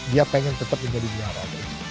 dia ingin tetap menjadi biara